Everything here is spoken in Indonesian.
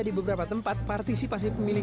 di beberapa tempat partisipasi pemilih